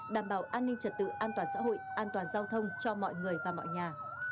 đảm bảo an ninh trật tự an toàn xã hội an toàn giao thông cho mọi người và mọi nhà